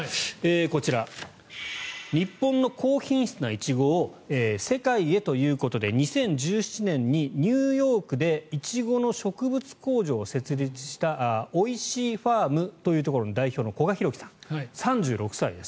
こちら、日本の高品質なイチゴを世界へということで２０１７年にニューヨークでイチゴの植物工場を設立したＯｉｓｈｉｉＦａｒｍというところの代表の古賀大貴さん３６歳です。